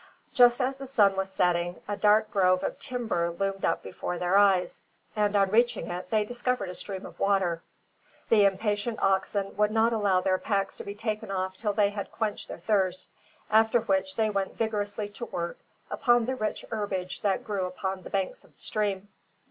Just as the sun was setting a dark grove of timber loomed up before their eyes; and on reaching it they discovered a stream of water. The impatient oxen would not allow their packs to be taken off till after they had quenched their thirst, after which they went vigorously to work upon the rich herbage that grew upon the banks of the stream.